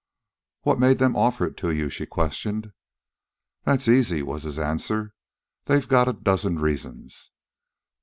"What made them offer it to you?" she questioned. "That's easy," was his answer. "They got a dozen reasons.